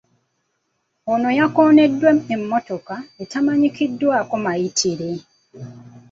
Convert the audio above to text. Ono yakooneddwa emmotoka etamanyikiddwako mayitire.